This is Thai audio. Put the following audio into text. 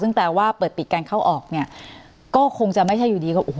ซึ่งแปลว่าเปิดปิดการเข้าออกเนี่ยก็คงจะไม่ใช่อยู่ดีก็โอ้โห